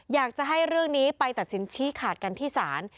อยากจะให้เรื่องนี้ไปตัดสินชี้ขาดกันที่ศาล